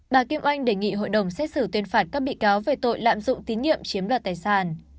bà kim oanh đề nghị hội đồng xét xử tuyên phạt các bị cáo về tội lạm dụng tín nhiệm chiếm đoạt tài sản